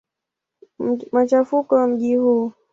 Machafuko ya mji huu.